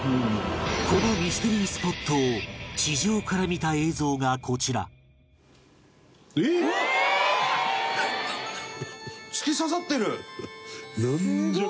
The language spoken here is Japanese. このミステリースポットを地上から見た映像がこちらなんじゃ？